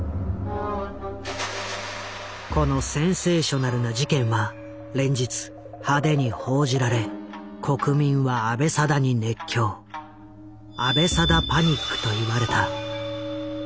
このセンセーショナルな事件は連日派手に報じられ国民は阿部定に熱狂。と言われた。